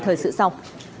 thời sự sau